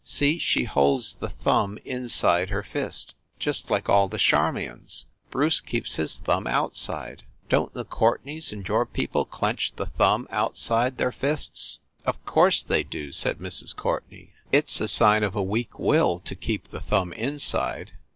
See, she holds the thumb inside her fist, just like all the Charmions ! Bruce keeps his thumb out side. Don t the Courtenays and your people clench the thumb outside their fists ?" "Of course they do !" said Mrs. Courtenay. "It s a sign of a weak will to keep the thumb inside."